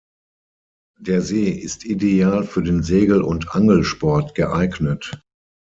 Der See ist ideal für den Segel- und Angelsport geeignet.